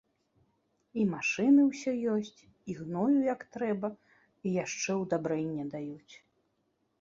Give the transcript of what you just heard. І машыны ўсё ёсць, і гною як трэба, і яшчэ ўдабрэння даюць.